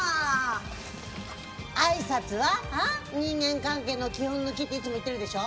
人間関係の基本のキっていつも言ってるでしょ。